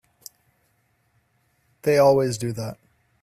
They always do that.